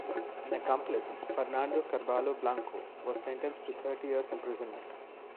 An accomplice, Fernando Carballo Blanco, was sentenced to thirty years' imprisonment.